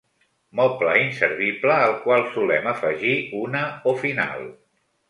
Moble inservible al qual solem afegir una o final.